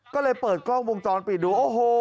ก็เลยเปิดกล้องวงจรปิดดูโอ้โห